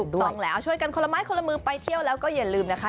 ถูกต้องแล้วช่วยกันคนละไม้คนละมือไปเที่ยวแล้วก็อย่าลืมนะคะ